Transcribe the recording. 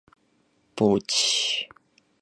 ポーチ